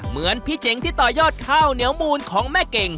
เหมือนพี่เจ๋งที่ต่อยอดข้าวเหนียวมูลของแม่เก่ง